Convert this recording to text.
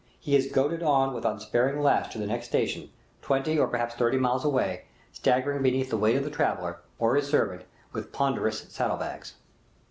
He is goaded on with unsparing lash to the next station, twenty, or perhaps thirty miles away, staggering beneath the weight of the traveller, or his servant, with ponderous saddlebags.